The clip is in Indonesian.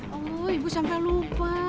oh ibu sampai lupa